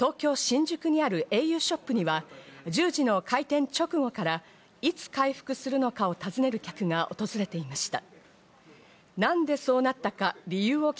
一方、東京・新宿にあるａｕショップには１０時の開店直後から、いつ回復するのかを尋ねる客が訪れていました。